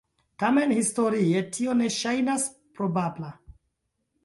Tamen historie tio ne ŝajnas probabla.